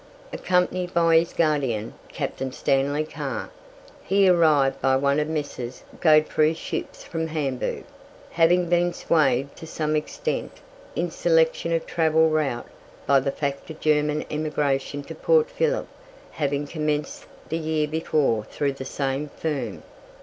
Accompanied by his guardian, Captain Stanley Carr, he arrived by one of the Messrs. Godeffroy's ships from Hamburg, having been swayed to some extent in selection of travel route by the fact of German emigration to Port Phillip having commenced the year before through the same firm.